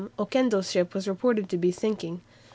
Oquendo's ship was reported to be sinking.